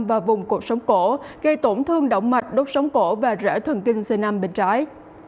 vào vùng cột sống cổ gây tổn thương đỏng mạch đốt sống cổ và rỡ thần kinh xe nam bên trái